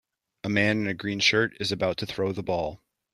A man in a green shirt is about to throw the ball.